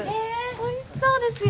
おいしそうですよ。